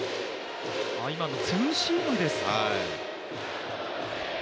今のツーシームですか？